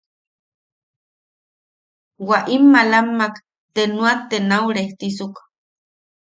Wa im maalamak te nauet te nau restisuk.